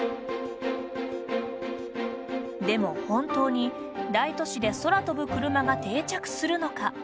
でも本当に、大都市で空飛ぶクルマが定着するのか。